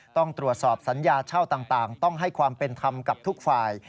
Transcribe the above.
ต้องตรวจสอบสัญญาเช่าต่างต้องให้ความเป็นธรรมกับทุกฝ่าย